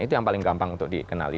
itu yang paling gampang untuk dikenali